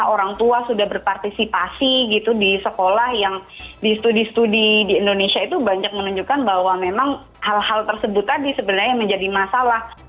orang tua sudah berpartisipasi gitu di sekolah yang di studi studi di indonesia itu banyak menunjukkan bahwa memang hal hal tersebut tadi sebenarnya menjadi masalah